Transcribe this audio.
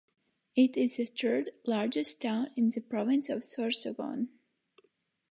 It is the third largest town in the province of Sorsogon.